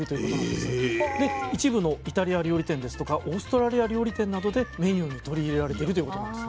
で一部のイタリア料理店ですとかオーストラリア料理店などでメニューに取り入れられてるということなんですよね。